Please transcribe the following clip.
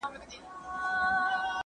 ډېر بېحده ورته ګران وو نازولی ..